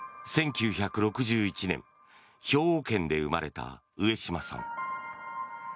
１９６１年、兵庫県で生まれた上島さん。